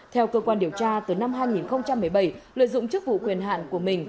theo cơ quan điều tra từ năm hai nghìn một mươi bảy lợi dụng chức vụ quyền hạn của mình